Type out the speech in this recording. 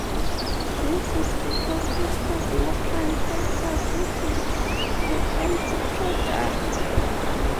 This is because it has no prime factors; it is the empty product.